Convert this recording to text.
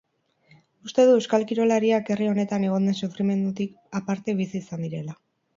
Uste du euskal kirolariak herri honetan egon den sufrimendutik aparte bizi izan direla.